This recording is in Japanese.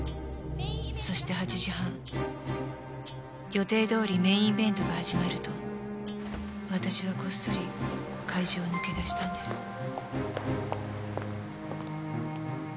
そして８時半予定どおりメーンイベントが始まると私はこっそり会場を抜け出したんです。